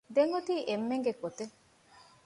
ދެން އޮތީ އެންމެ ގޮތެއް